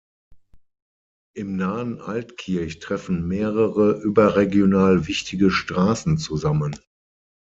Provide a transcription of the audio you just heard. Im nahen Altkirch treffen mehrere überregional wichtige Straßen zusammen.